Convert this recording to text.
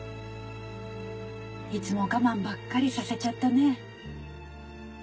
いつも我慢ばっかりさせちゃったね。